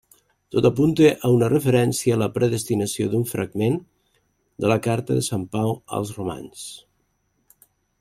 Tot apunta a una referència a la predestinació d'un fragment de la carta de sant Pau als romans.